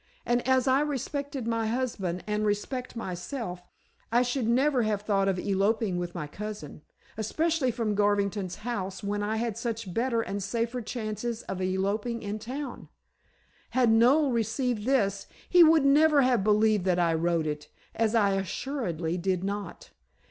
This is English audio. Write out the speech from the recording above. "And as I respected my husband and respect myself, I should never have thought of eloping with my cousin, especially from Garvington's house, when I had much better and safer chances of eloping in town. Had Noel received this, he would never have believed that I wrote it, as I assuredly did not.